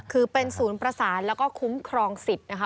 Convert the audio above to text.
คือเป็นศูนย์ประสานแล้วก็คุ้มครองสิทธิ์นะคะ